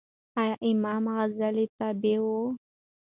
ایا امام غزالې تابعې وه؟